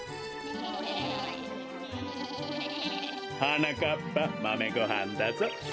はなかっぱまめごはんだぞ。